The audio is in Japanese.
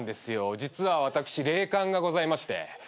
実は私霊感がございまして。